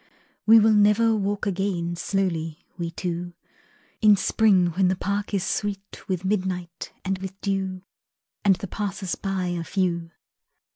We will never walk again Slowly, we two, In spring when the park is sweet With midnight and with dew, And the passers by are few.